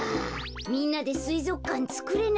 みんなですいぞくかんつくれないかな。